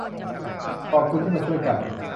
ขอบคุณที่มาช่วยกัน